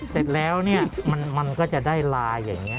เสร็จแล้วเนี่ยมันก็จะได้ลายอย่างนี้